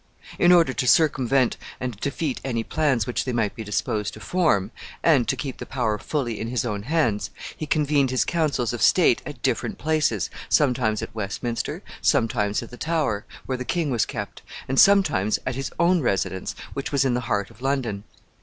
In order to circumvent and defeat any plans which they might be disposed to form, and to keep the power fully in his own hands, he convened his councils of state at different places, sometimes at Westminster, sometimes at the Tower, where the king was kept, and sometimes at his own residence, which was in the heart of London.